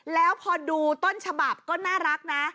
แล้วพอดูต้นฉบับก็น่ารักนะ